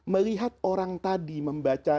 melihat orang tadi membaca